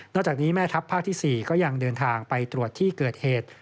จากนี้แม่ทัพภาคที่๔ก็ยังเดินทางไปตรวจที่เกิดเหตุ